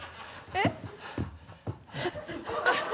えっ？